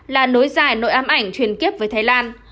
là nối dài nội ám ảnh truyền tiếp với thái lan